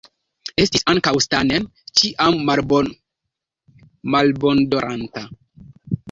Estis ankaŭ Stanen, ĉiam malbonodoranta; Belti kaj Travis, kiuj ambaŭ loĝis ekster la urbo.